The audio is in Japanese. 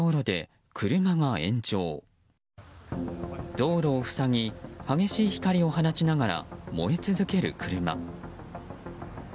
道路を塞ぎ激しい光を放ちながら燃え続ける車。